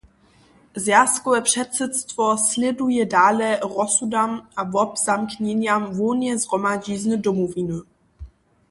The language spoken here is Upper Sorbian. Zwjazkowe předsydstwo slěduje dale rozsudam a wobzamknjenjam hłowneje zhromadźizny Domowiny.